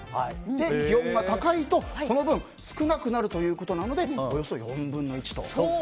気温が高いと、その分少なくなるということなのでおよそ４分の１と。